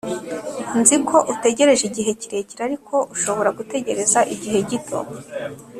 Nzi ko utegereje igihe kirekire ariko ushobora gutegereza igihe gito